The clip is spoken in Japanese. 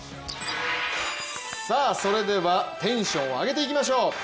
それではテンションを上げていきましょう！